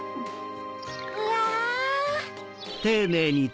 うわ！